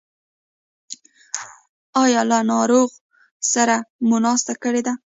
ایا له ناروغ کس سره مو ناسته کړې ده؟